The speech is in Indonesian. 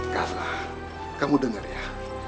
katla kamu dengar ya